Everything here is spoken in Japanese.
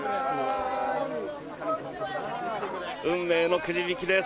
運命のくじ引きです。